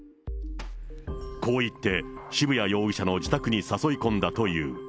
こう言って、渋谷容疑者の自宅に誘い込んだという。